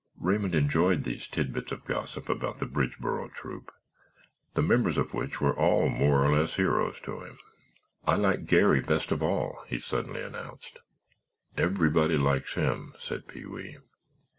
Raymond enjoyed these tidbits of gossip about the Bridgeboro Troop, the members of which were all more or less heroes to him. "I like Garry best of all," he suddenly announced. "Everybody likes him," said Pee wee.